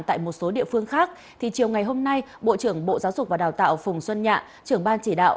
tại một số địa phương khác thì chiều ngày hôm nay bộ trưởng bộ giáo dục và đào tạo phùng xuân nhạ trưởng ban chỉ đạo